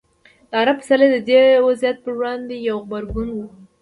د عرب پسرلی د دې وضعیت پر وړاندې یو غبرګون و.